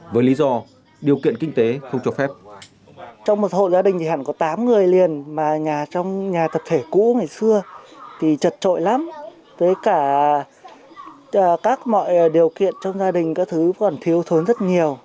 với lý do điều kiện kinh tế không cho phép